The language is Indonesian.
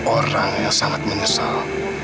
orang yang sangat menyesal